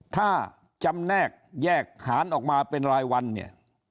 ถ้าจำแนกแยกหารออกมาเป็นรายวันเนี่ย